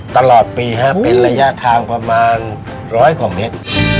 ตลอดปีเป็นระยะทางประมาณร้อยกว่าเมตร